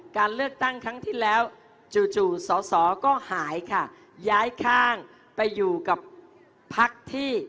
การเลือกตั้งครั้งที่แล้วจู่จู่สอสอก็หายค่ะย้ายข้างไปอยู่กับพักที่